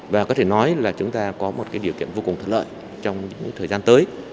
và có thể nói là chúng ta có một điều kiện vô cùng thuận lợi trong những thời gian tới